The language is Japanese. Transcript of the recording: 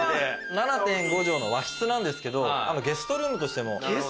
７．５帖の和室なんですけどゲストルームとしても。